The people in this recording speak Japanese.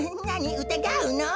うたがうの？